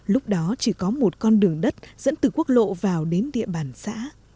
lúc đó chỉ có một con đường đất dẫn từ quốc lộ vào đến địa bàn xã